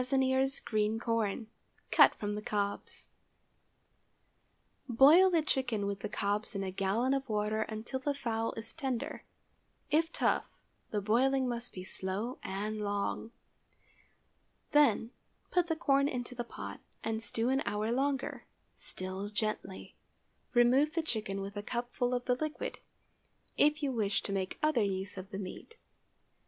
ears green corn—cut from the cobs. Boil the chicken with the cobs in a gallon of water until the fowl is tender—if tough, the boiling must be slow and long. Then, put the corn into the pot, and stew an hour longer—still gently. Remove the chicken with a cupful of the liquid, if you wish to make other use of the meat.